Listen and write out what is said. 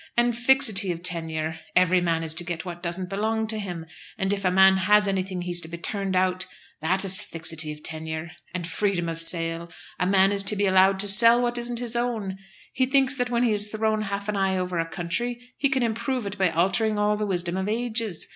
And fixity of tenure! Every man is to get what doesn't belong to him, and if a man has anything he's to be turned out; that is fixity of tenure. And freedom of sale! A man is to be allowed to sell what isn't his own. He thinks that when he has thrown half an eye over a country he can improve it by altering all the wisdom of ages.